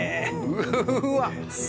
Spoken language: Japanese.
うーわっ！